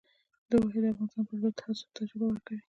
د واحد افغانستان پر ضد هڅو ته ژبه ورکوي.